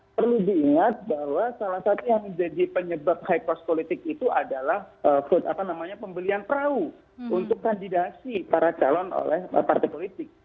perlu diingat bahwa salah satu yang menjadi penyebab high cost politik itu adalah pembelian perahu untuk kandidasi para calon oleh partai politik